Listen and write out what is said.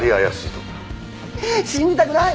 信じたくない！